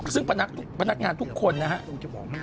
ซึ่งพนักงานทุกคนนะครับ